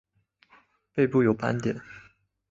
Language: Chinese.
背部有斑点。